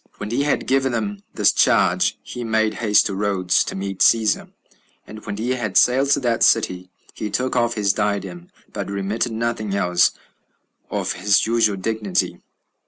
6. When he had given them this charge, he made haste to Rhodes, to meet Cæsar; and when he had sailed to that city, he took off his diadem, but remitted nothing else of his usual dignity.